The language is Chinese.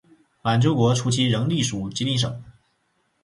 满洲国初期仍隶属吉林省。